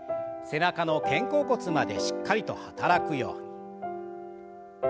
背中の肩甲骨までしっかりと働くように。